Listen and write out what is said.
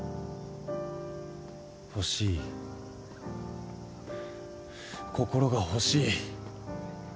欲しい心が欲しい